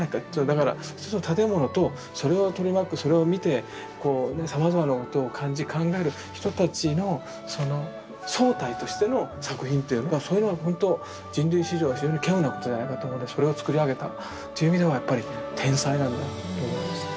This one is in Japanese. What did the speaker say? だからその建物とそれを取り巻くそれを見てこうねさまざまなことを感じ考える人たちのその総体としての作品っていうのがそういうのはほんと人類史上非常にけうなことじゃないかと思うんでそれをつくり上げたという意味ではやっぱり天才なんだと思いました。